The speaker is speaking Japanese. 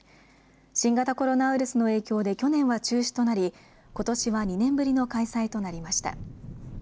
新型コロナウイルスの影響で去年は中止となりことしは２年ぶりの開催となりました。